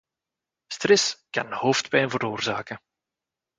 Stress kan hoofdpijn veroorzaken